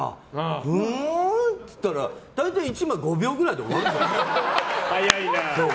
ふーんっていったら大体１枚５秒ぐらいで終わるよ。